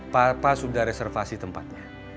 papa sudah reservasi tempatnya